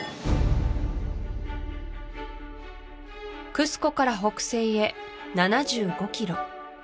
クスコから北西へ７５キロ